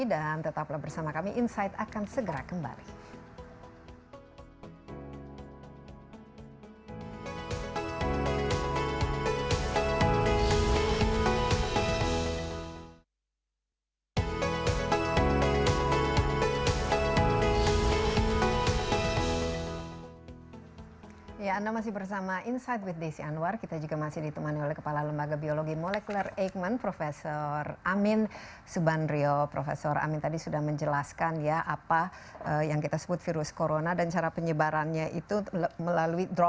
dan tetaplah bersama kami insight akan segera kembali